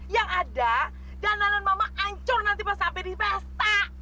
yang ada dana dan mama ancur nanti pas sampai di vesta